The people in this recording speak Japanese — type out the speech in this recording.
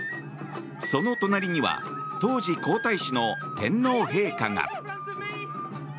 その隣には当時、皇太子の天皇陛下が。